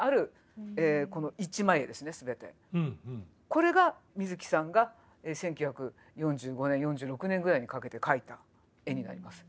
これが水木さんが１９４５年４６年ぐらいにかけて描いた絵になります。